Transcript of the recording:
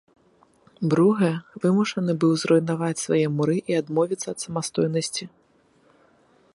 Бругэ вымушаны быў зруйнаваць свае муры і адмовіцца ад самастойнасці.